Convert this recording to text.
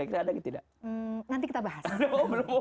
apakah ada berbohong yang diperbolehkan mungkin